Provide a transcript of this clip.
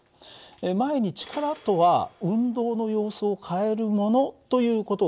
前に力とは運動の様子を変えるものという事を勉強したよね。